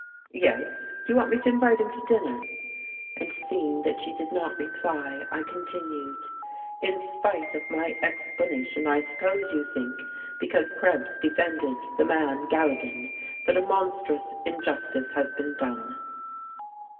"Yes. Do you want me to invite him to dinner?" and seeing that she did not reply I continued: "In spite of my explanation I suppose you think, because Krebs defended the man Galligan, that a monstrous injustice has been done."